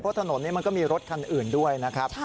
เพราะถนนนี้มันก็มีรถคันอื่นด้วยนะครับ